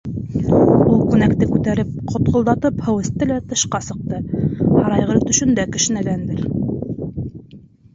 Ул күнәк-те күтәреп, котғолдатып һыу эсте лә тышҡа сыҡты, һарайғыр төшөндә кешнәгәндер...